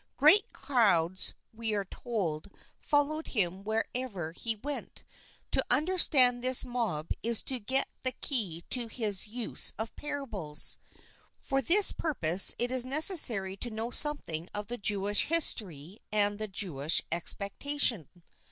Great crowds, we are told, followed him wherever he went. To under stand this mob is to get the key to his use of parables; for this purpose it is necessary to know something of the Jewish history and the Jewish expectation.